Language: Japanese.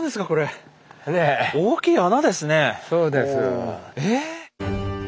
そうです。え？